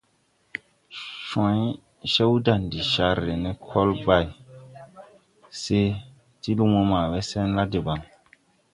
Cwa̧y, Cewdandi car re ne Colbay se ti lumo ma we sen la debaŋ.